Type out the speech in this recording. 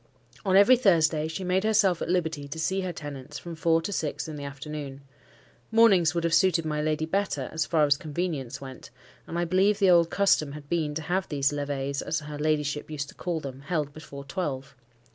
On every Thursday she made herself at liberty to see her tenants, from four to six in the afternoon. Mornings would have suited my lady better, as far as convenience went, and I believe the old custom had been to have these levees (as her ladyship used to call them) held before twelve.